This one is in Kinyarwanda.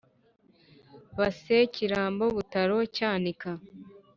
Base Kirambo Butaro Cyanika